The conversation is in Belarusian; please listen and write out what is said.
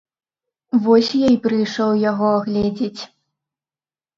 Вось я і прыйшоў яго агледзець.